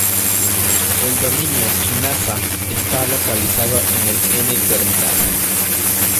El dominio quinasa está localizado en el N-terminal.